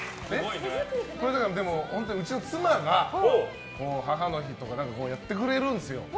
これはうちの妻が母の日とかやってくれるんですよ。